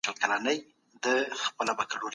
ژبه انساني ژوند ته اړينه ده.